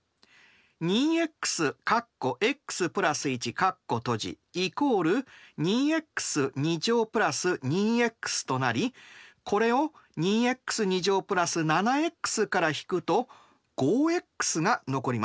２ｘ＝２ｘ＋２ｘとなりこれを２ｘ＋７ｘから引くと５ｘが残ります。